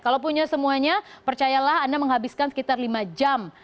kalau punya semuanya percayalah anda menghabiskan sekitar lima jam